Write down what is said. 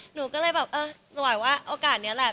หนูก็เลยแบบเออถวายว่าโอกาสนี้แหละ